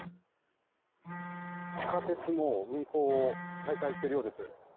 地下鉄も運行を再開しているようです。